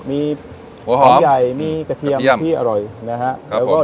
มีหัวหอมฟื้นใหญ่มีกระเทียมอร่อยนะครับครับผม